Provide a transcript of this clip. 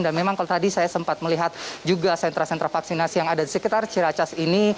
dan memang kalau tadi saya sempat melihat juga sentra sentra vaksinasi yang ada di sekitar ciracas ini